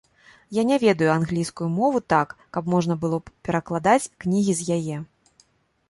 Я не ведаю англійскую мову так, каб можна было б перакладаць кнігі з яе.